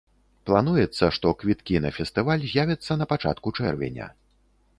Плануецца, што квіткі на фестываль з'явяцца на пачатку чэрвеня.